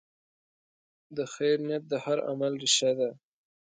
د خیر نیت د هر عمل ریښه ده.